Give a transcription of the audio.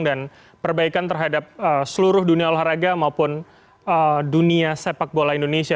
dan perbaikan terhadap seluruh dunia olahraga maupun dunia sepak bola indonesia